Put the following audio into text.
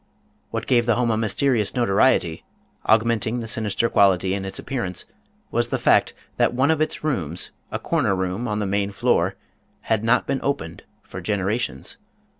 What gave the house a mysterious notoriety, augmenting the sinister quality in its appearance, was the fact that one of its rooms, a corner room on the main floor, had not been opened for generations.